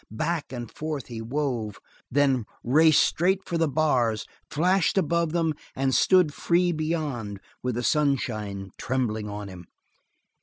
Back and forth he wove, then raced straight for the bars, flashed above them, and stood free beyond, with the sunshine trembling on him.